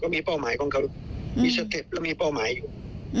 มีเป้าหมายของเขามีสเต็ปแล้วมีเป้าหมายอยู่